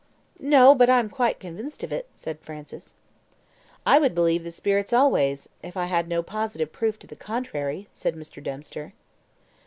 "No; but I am quite convinced of it," said Francis. "I would believe the spirits always, if I had no positive proof to the contrary," said Mr. Dempster.